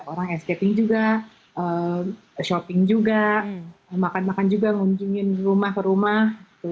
orang eskating juga shopping juga makan makan juga ngunjungin rumah ke rumah